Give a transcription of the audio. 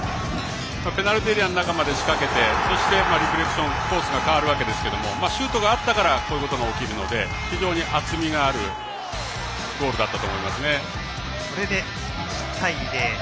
ペナルティーエリアの中まで仕掛けて、そしてリフレクションコースが変わるわけですけどシュートがあったからこういうことが起きるので非常に厚みのあるこれで１対０。